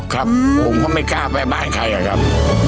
ครับผมก็ไม่กล้าไปบ้านใครอะครับ